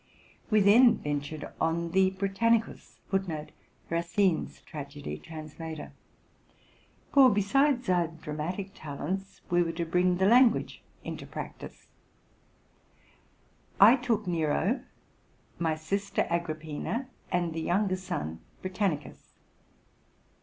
We then ventured on the '* Britannicus ;''? for, be sides our dramatic talents, we were to bring the language into practice. I took Nero, my sister Agrippina, and the younger son Britannicus.